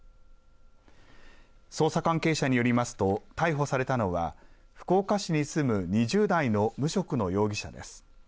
捜査関係者によりますと逮捕されたのは福岡市に住む２０代の無職の容疑者です。